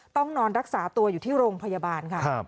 ต้องนอนรักษาตัวอยู่ที่โรงพยาบาลค่ะ